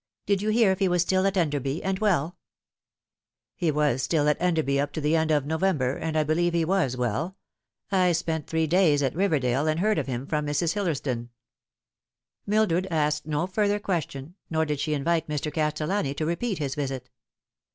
Did you hear if he was still at Enderby and well ?"" He was still at Enderby up to the end of November, and I believe he was well. I spent three days at Riverdale, and heard of him from Mrs. Hillersdon." Mildred asked no further question, nor did she invite Mr. Castellani to repeat his visit.